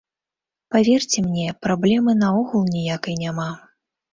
Паверце мне, праблемы наогул ніякай няма.